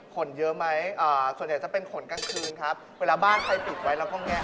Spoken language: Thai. ขนเยอะไหมส่วนใหญ่จะเป็นขนกลางคืนครับเวลาบ้านใครปิดไว้เราก็แงะ